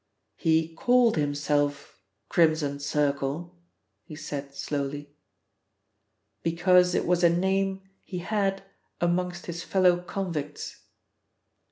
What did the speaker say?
"He called himself Crimson Circle," he said slowly, "because it was a name he had amongst his fellow convicts.